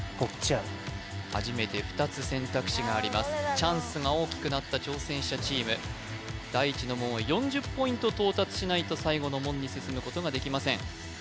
こっちあるチャンスが大きくなった挑戦者チーム第一の門は４０ポイント到達しないと最後の門に進むことができません